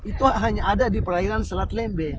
itu hanya ada di perairan selat lembe